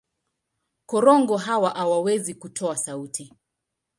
Korongo hawa hawawezi kutoa sauti.